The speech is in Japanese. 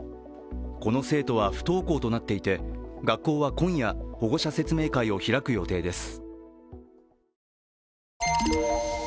この生徒は不登校となっていて学校は今夜、保護者説明会を開く予定です。